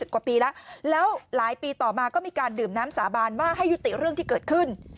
กว่าปีแล้วแล้วหลายปีต่อมาก็มีการดื่มน้ำสาบานว่าให้ยุติเรื่องที่เกิดขึ้น